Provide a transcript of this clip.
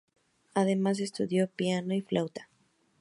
Además, estudió piano y flauta.